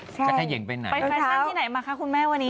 ไปแฟชั่นที่ไหนมาคะคุณแม่วันนี้